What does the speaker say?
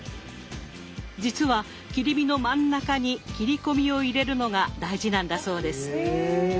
実は切り身の真ん中に切り込みを入れるのが大事なんだそうです。へ。